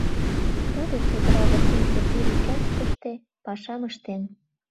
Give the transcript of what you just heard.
Тудо чодыра воктенсе тӱр участкыште пашам ыштен.